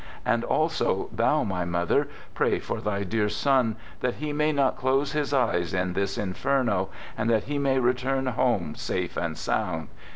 And also, thou, my mother, pray for thy dear son that he may not close his eyes in this inferno, and that he may return home safe and sound.